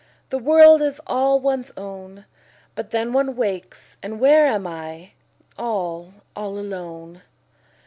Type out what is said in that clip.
The world is all one's own. But then one wakes, and where am I? All, all alone.